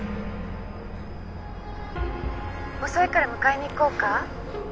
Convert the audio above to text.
遅いから迎えに行こうか？